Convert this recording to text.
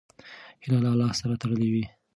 هیله له الله سره تړلې وي.